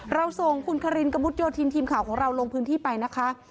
เราส่งคุณคารินกระมุดโยธินทีมข่าวของเราลงพื้นที่ไปนะคะ